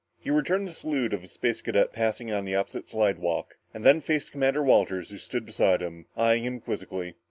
He returned the salute of a Space Cadet passing on the opposite slidewalk and then faced Commander Walters who stood beside him, eyeing him quizzically.